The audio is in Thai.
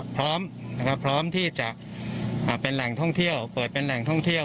พร้อมที่จะเปิดเป็นแหล่งท่องเที่ยว